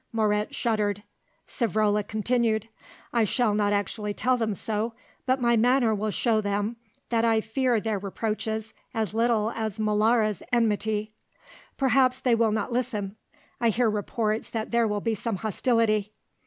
Moret shuddered. Savrola continued: "I shall not actually tell them so, but my manner will show them that I fear their reproaches as little as Molara's enmity." "Perhaps they will not listen; I hear reports that there will be some hostility."